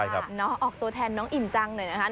ออกตัวแทนน้องอิ่มจังหน่อยนะคะ